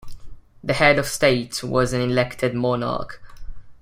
The head of state was an elected monarch.